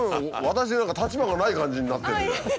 私何か立場がない感じになってるじゃない。